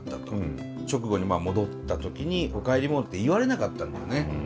直後に戻った時に「おかえりモネ」って言われなかったんだよね。